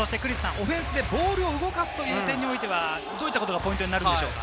オフェンスでボールを動かすという点では、どういったことがポイントになりますか？